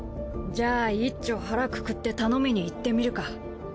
じゃあいっちょハラくくって頼みに行ってみるか。